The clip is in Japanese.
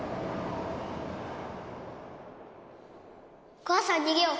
お母さん逃げよう。